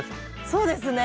そうですね。